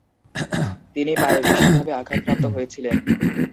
তিনি পায়ে ভীষণভাবে আঘাতপ্রাপ্ত হয়েছিলেন।